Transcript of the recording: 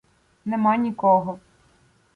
Нема нікого.